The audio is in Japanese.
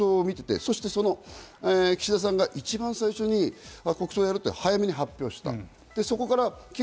今回、国葬を見ていて、そして岸田さんが一番最初に国葬をやると早めに発表した。